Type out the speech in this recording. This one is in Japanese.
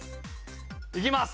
行きます。